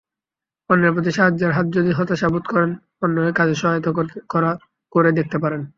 অন্যের প্রতি সাহায্যের হাতযদি হতাশা বোধ করেন, অন্যকে কাজে সহায়তা করে দেখতে পারেন।